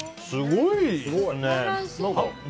すごいね。